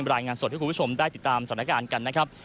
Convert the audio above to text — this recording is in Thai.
รายงานสดให้คุณผู้ชมได้ติดตามสถานการณ์กันนะครับ